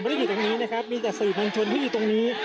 อยู่ตรงนี้นะครับมีแต่สื่อมวลชนที่อยู่ตรงนี้